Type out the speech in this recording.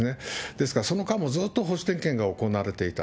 ですから、その間もずっと保守点検が行われていた。